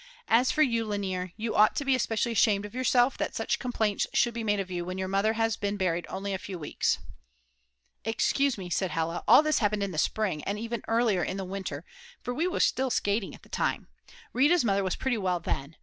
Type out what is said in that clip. As for you, Lainer, you ought to be especially ashamed of yourself that such complaints should be made of you when your mother has been buried only a few weeks." "Excuse me," said Hella, "all this happened in the spring, and even earlier, in the winter, for we were still skating at the time. Rita's mother was pretty well then.